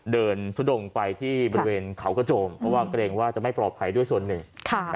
เดินทุดงไปที่บริเวณเขากระโจมเพราะว่าเกรงว่าจะไม่ปลอดภัยด้วยส่วนหนึ่ง